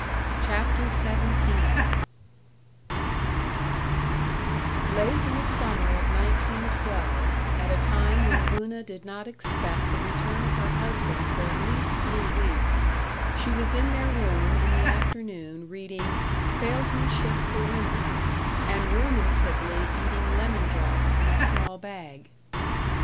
CHAPTER XVII Late in the summer of 1912, at a time when Una did not expect the return of her husband for at least three weeks, she was in their room in the afternoon, reading "Salesmanship for Women," and ruminatively eating lemon drops from a small bag.